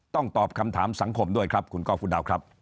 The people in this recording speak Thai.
ต้องตอบคำถามสังคมด้วยครับคุณก้อคุณดาวครับ